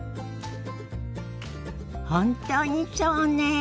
本当にそうねえ。